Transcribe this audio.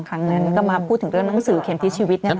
ครั้งนั้นก็มาพูดถึงเรื่องหนังสือเข็มทิศชีวิต